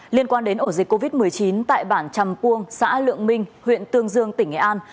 liên quan đến ổ dịch covid một mươi chín tại bản trầm puông xã lượng minh huyện tương dương tỉnh nghệ an